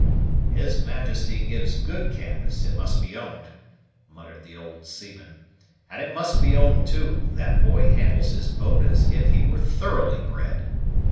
"His Majesty gives good canvas, it must be owned," muttered the old seaman; "and it must be owned, too, that boy handles his boat as if he were thoroughly bred!